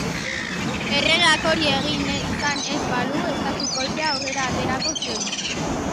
Erregeak hori egin izan ez balu, estatu-kolpea aurrera aterako zen.